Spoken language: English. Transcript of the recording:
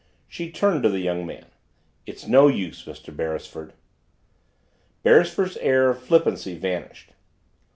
She turned to the young man. "It's no use, Mr. Beresford." Beresford's air of flippancy vanished.